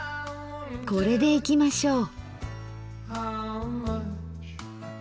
これでいきましょう。